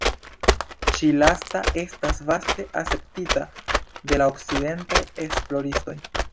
Ĉi-lasta estas vaste akceptita de la okcidentaj esploristoj.